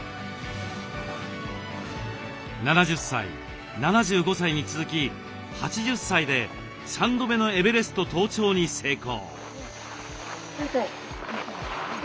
７０歳７５歳に続き８０歳で３度目のエベレスト登頂に成功。